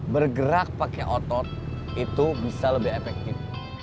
bergerak pakai otot itu bisa lebih efektif